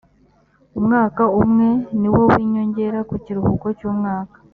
umwaka umwe niwo w ‘inyongera ku kiruhuko cy’umwaka